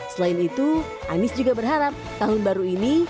selain itu anies juga berharap tahun baru ini